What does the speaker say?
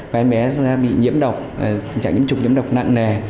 bà em bé bị nhiễm độc trạng nhiễm trục nhiễm độc nặng nề